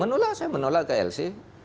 menolak saya menolak ke elc